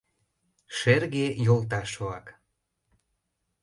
— Шерге йолташ-влак!